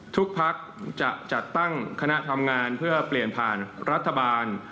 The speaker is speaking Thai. ภักดิ์จะจัดตั้งคณะทำงานเพื่อเปลี่ยนผ่านรัฐบาล